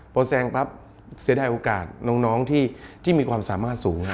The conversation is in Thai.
พอแซงปั๊บเสียดายโอกาสน้องที่มีความสามารถสูง